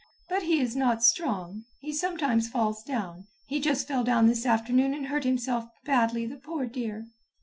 "But he is not strong. He sometimes falls down. He just fell down this afternoon and hurt himself badly, the poor dear."